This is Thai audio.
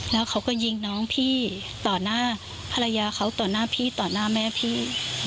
แล้วเขาก็ยิงน้องพี่ต่อหน้าภรรยาเขาต่อหน้าพี่ต่อหน้าแม่พี่